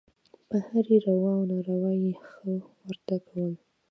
په هرې روا او ناروا یې «ښه» ورته کول.